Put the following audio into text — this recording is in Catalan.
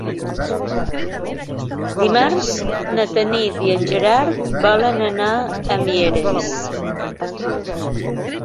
Dimarts na Tanit i en Gerard volen anar a Mieres.